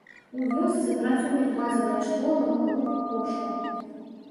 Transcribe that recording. У вёсцы працуюць базавая школа, клуб, пошта.